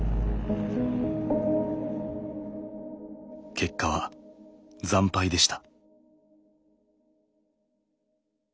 結果は惨敗でした。